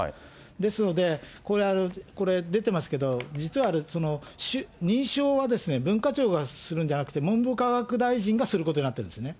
ですので、これ、出てますけど、実は認証は文化庁がするんじゃなくて、文部科学大臣がすることになってるんですね。